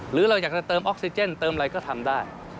หรือเราอยากจะเติมออกซิเจนเติมอะไรก็ทำได้